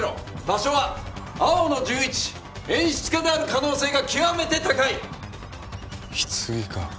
場所は青の１１演出家である可能性が極めて高いひつぎか